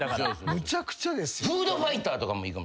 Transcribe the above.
むちゃくちゃですよ。